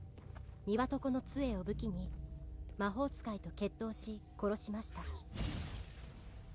「ニワトコの杖を武器に魔法使いと決闘し殺しました」